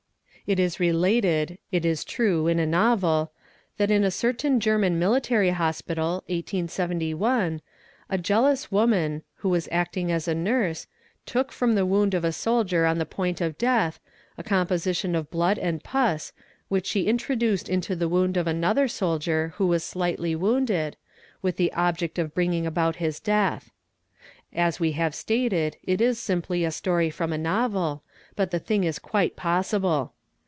It is related, it is true in a novel, that in a certain German Military Hospital (1871) a jealous woman, who was acting as a nurse, took from the wound of a soldier on the point of death a composition of blood and pus which she intro duced into the wound of another soldier who was slightly wounded, with the object of bringing about his death. As we have stated, it is simply a story from a novel but the thing is quite possible.